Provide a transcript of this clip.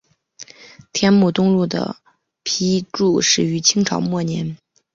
天目东路的辟筑始于清朝末年。